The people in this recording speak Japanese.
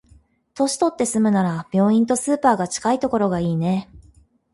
年取って住むなら、病院とスーパーが近いところがいいね。